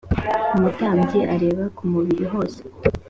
umutambyi areba ku mubiri hose